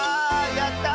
やった！